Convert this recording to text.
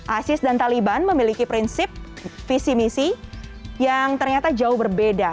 isis dan taliban memiliki prinsip visi misi yang ternyata jauh berbeda